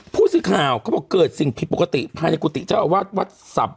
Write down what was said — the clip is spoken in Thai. ผู้เสียข่าวเค้าบอกเกิดอะไรปกติในกุฏิเจ้าอาวาส